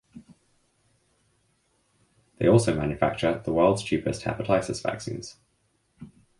They also manufacture the world’s cheapest Hepatitis vaccines.